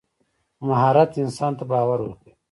مهارت انسان ته باور ورکوي.